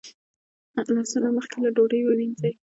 لاسونه مخکې له ډوډۍ ووینځئ